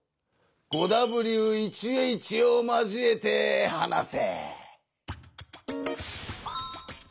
５Ｗ１Ｈを交えて話せ！